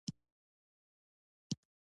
جنرال راته وویل.